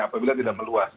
apabila tidak meluas